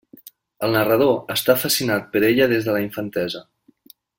El narrador està fascinat per ella des de la infantesa.